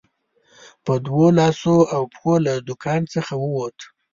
په دوو لاسو او پښو له دوکان څخه ووت.